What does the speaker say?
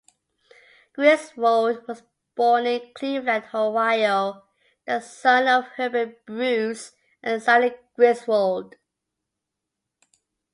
Griswold was born in Cleveland, Ohio, the son of Herbert Bruce and Sally Griswold.